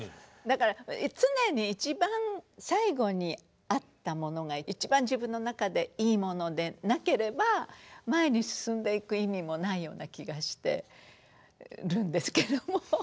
だから常に一番最後にあったものが一番自分の中でいいものでなければ前に進んでいく意味もないような気がしてるんですけれども。